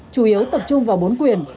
chủ yếu tập trung vào bốn quyền